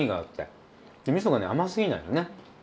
みそがね甘すぎないのね。